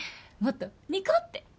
もっとにこ！って。